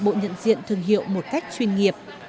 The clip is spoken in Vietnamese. bộ nhận diện thương hiệu một cách chuyên nghiệp